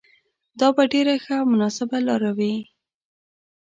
دا به ډېره ښه او مناسبه لاره وي.